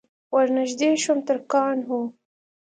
ور نږدې شوم ترکان وو.